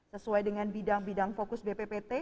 sesuai dengan bidang bidang fokus bppt